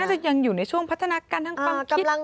น่าจะยังอยู่ในช่วงพัฒนาการทั้งความคิด